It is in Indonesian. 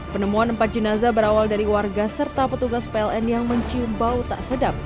penemuan empat jenazah berawal dari warga serta petugas pln yang mencium bau tak sedap